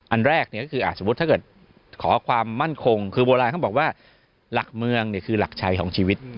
อันแรกเนี่ยก็คือสมมุติถ้าเกิดขอความมั่นคงคือโบราณเขาบอกว่าหลักเมืองเนี่ยคือหลักชัยของชีวิต